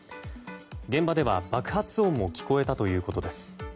現場では爆発音も聞こえたということです。